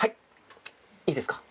いいですか？